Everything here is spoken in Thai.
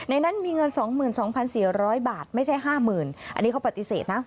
อันนี้เขาปฏิเสธนะ